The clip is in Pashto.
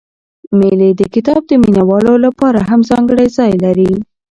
مېلې د کتاب د مینه والو له پاره هم ځانګړى ځای لري.